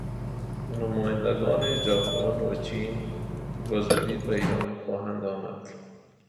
نمایندگان ژاپن و چین به زودی به ایران خواهند آمد.